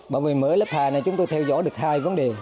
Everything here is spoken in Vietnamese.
bởi vì mỗi lớp hà này chúng tôi theo dõi được hai vấn đề